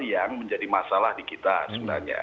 yang menjadi masalah di kita sebenarnya